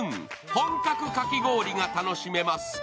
本格かき氷が楽しめます。